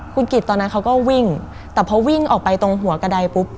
คุณกิจตอนนั้นเขาก็วิ่งแต่พอวิ่งออกไปตรงหัวกระดายปุ๊บ